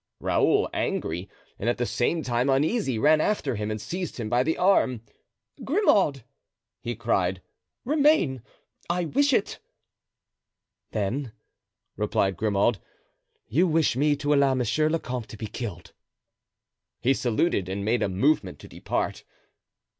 Raoul, angry and at the same time uneasy, ran after him and seized him by the arm. "Grimaud!" he cried; "remain; I wish it." "Then," replied Grimaud, "you wish me to allow monsieur le comte to be killed." He saluted and made a movement to depart.